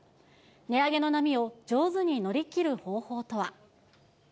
値上げの波を上手に乗り切る方法とは。